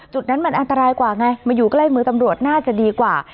จุดนั้นมันอันตรายกว่าไงมาอยู่ใกล้มือตำรวจน่าจะดีกว่า